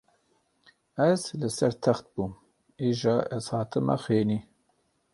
Ez li ser text bûm, îja ez hatime xênî.